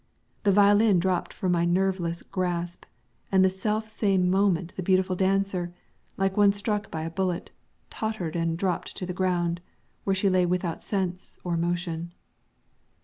The violin dropped from my nerveless grasp, and at the self same moment the beautiful dancer, like one struck by a bullet, tottered and dropped to the ground, where she lay without sense or motion.